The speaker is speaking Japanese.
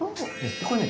これをね